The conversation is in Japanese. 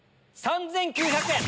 ３９００円。